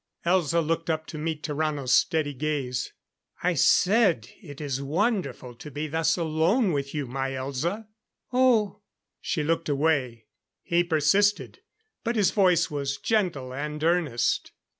Elza looked up to meet Tarrano's steady gaze. "I said it is wonderful to be thus alone with you, my Elza." "Oh." She looked away. He persisted; but his voice was gentle and earnest.